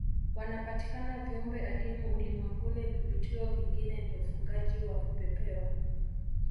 Wanapatikana viumbe adimu ulimwenguni vivutio vingine ni ufugaji wa vipepeo